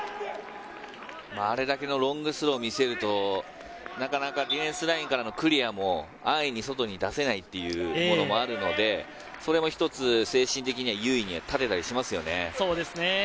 あれだけのロングスローを見せるとなかなかディフェンスラインからのクリアも安易に外に出せないっていうものもあるので、それも一つ、精神的には優位に立てたりしますよね。